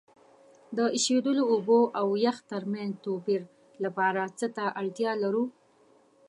د ایشیدلو اوبو او یخ ترمنځ توپیر لپاره څه ته اړتیا لرو؟